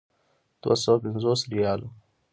دوه سوه پنځوس ریاله.